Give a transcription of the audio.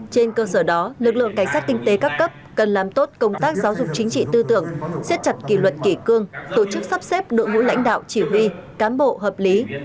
trên cơ sở đó lực lượng cảnh sát kinh tế các cấp cần làm tốt công tác giáo dục chính trị tư tưởng siết chặt kỷ luật kỷ cương tổ chức sắp xếp đội ngũ lãnh đạo chỉ huy cán bộ hợp lý